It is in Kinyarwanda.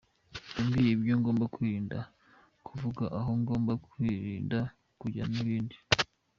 Yambwiye ibyo ngomba kwirinda kuvuga, aho ngomba kwirinda kujya …n’ibindi.